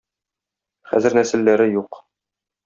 Хәзер нәселләре юк.